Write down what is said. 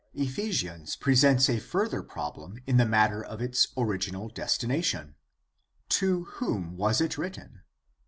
Ephesians presents a further problem in the matter of its original destination. To whom was it written